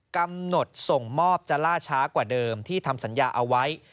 กำหนดส่งมอบจะล่าช้ากว่าเดิมที่ทำสัญญาเอาไว้